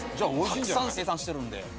たくさん生産してるんで。